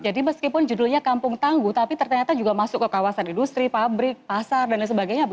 jadi meskipun judulnya kampung tangguh tapi ternyata juga masuk ke kawasan industri pabrik pasar dsb